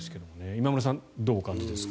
今村さん、どうお感じですか？